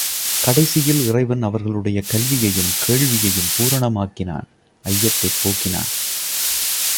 கடைசியில் இறைவன் அவர்களுடைய கல்வியையும், கேள்வியையும் பூரணமாக்கினான் ஐயத்தைப் போக்கினான்.